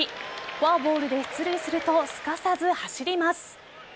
フォアボールで出塁するとすかさず走ります。